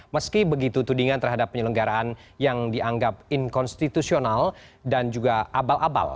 meski begitu tudingan terhadap penyelenggaraan yang dianggap inkonstitusional dan juga abal abal